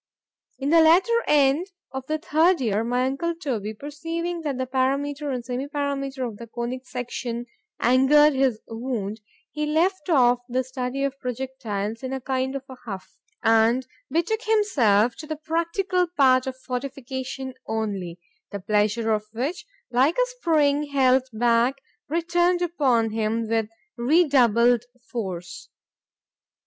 In the latter end of the third year, my uncle Toby perceiving that the parameter and semi parameter of the conic section angered his wound, he left off the study of projectiles in a kind of a huff, and betook himself to the practical part of fortification only; the pleasure of which, like a spring held back, returned upon him with redoubled force.